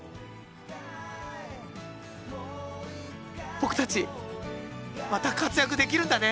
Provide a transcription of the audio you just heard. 僕たちまた活躍できるんだね！